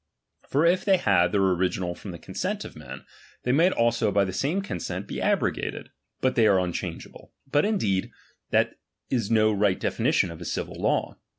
For if they had their original from the consent of men, they might also by the same consent be abrogated ; but they are un changeable. But indeed, that is no right definition of a civil law.